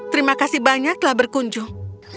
terima kasih banyak telah berkunjung